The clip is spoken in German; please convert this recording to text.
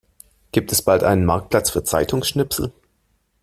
Gibt es bald einen Marktplatz für Zeitungsschnipsel?